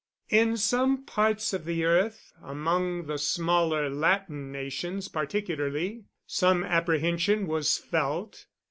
In some parts of the earth among the smaller Latin nations particularly some apprehension was felt.